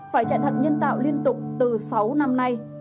phải chạy thận nhân tạo liên tục từ sáu năm nay